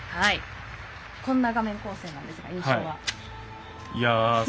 こんな画面構成なんですが印象は？